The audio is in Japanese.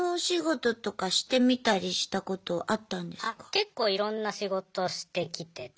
結構いろんな仕事してきてて。